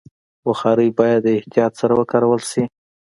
بخاري باید د احتیاط سره وکارول شي.